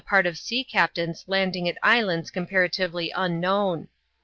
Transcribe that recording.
tI of sea captains landing at islands comparatively unknown.